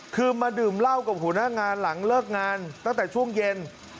คือมาดื่มเหล้ากับหัวหน้างานหลังเลิกงานตั้งแต่ช่วงเย็น